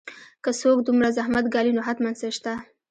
که څوک دومره زحمت ګالي نو حتماً څه شته